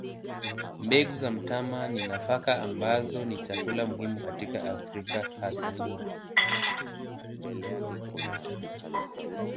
Mbegu za mtama ni nafaka ambazo ni chakula muhimu katika Afrika hasa.